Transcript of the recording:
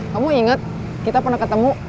kamu inget kita pernah ketemu